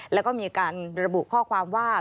แล้วก็มีการระบุข้อความว่า